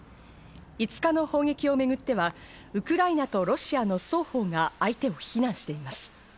５日の砲撃をめぐっては、ウクライナとロシアの双方が相手を非難しています。